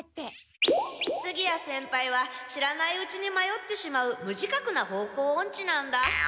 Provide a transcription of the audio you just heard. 次屋先輩は知らないうちに迷ってしまう無自覚な方向オンチなんだ。